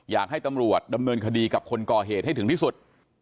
อยากให้ตำรวจดำเนินคดีกับคนก่อเหตุให้ถึงที่สุด